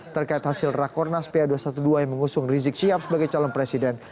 terkait hasil rakornas pa dua ratus dua belas yang mengusung rizik syihab sebagai calon presiden